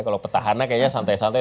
kalau petahana kayaknya santai santai